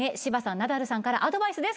ナダルさんからアドバイスです